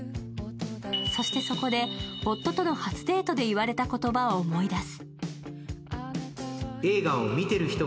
そしてそこで夫との初デートで言われた言葉を思い出す。